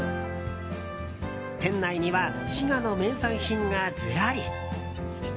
店内には滋賀の名産品がずらり。